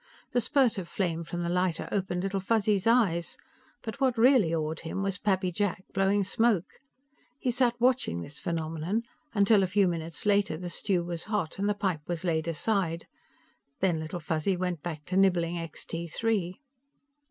The spurt of flame from the lighter opened Little Fuzzy's eyes, but what really awed him was Pappy Jack blowing smoke. He sat watching this phenomenon, until, a few minutes later, the stew was hot and the pipe was laid aside; then Little Fuzzy went back to nibbling Extee Three.